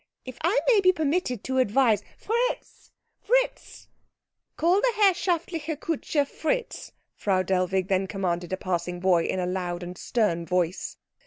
"If I may be permitted to advise " "Fritz! Fritz! Fritz!" "Call the herrschaftliche Kutscher Fritz," Frau Dellwig then commanded a passing boy in a loud and stern voice.